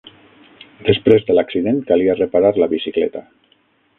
Després de l'accident, calia reparar la bicicleta.